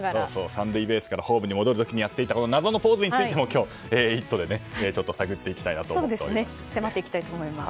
３塁ベースからホームに戻る時にやっていたこの謎のポーズも今日、「イット！」で探っていきたいと思います。